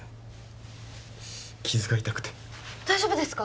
傷が痛くて大丈夫ですか？